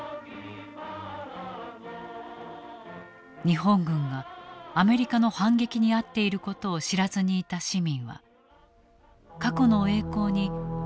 日本軍がアメリカの反撃に遭っていることを知らずにいた市民は過去の栄光に喝采を送っていた。